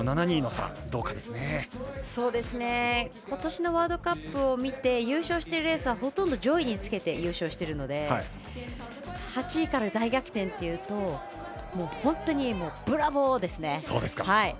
ことしのワールドカップを見て優勝しているレースはほとんど上位につけて優勝しているので８位から大逆転っていうと本当にブラボー！ですね。